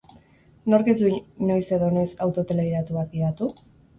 Nork ez du noiz edo noiz auto telegidatu bat gidatu?